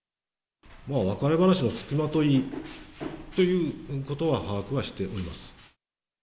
別れ話の付きまといということは把握はしております。